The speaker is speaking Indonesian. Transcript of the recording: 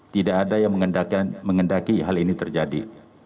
tidak ada yang mengendaki hal ini terjadi